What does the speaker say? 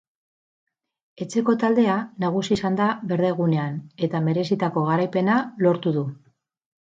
Etxeko taldea nagusi izan da berdegunean eta merezitako garaipena lortu du.